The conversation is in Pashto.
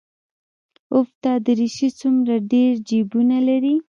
اوف دا دريشي څومره ډېر جيبونه لري.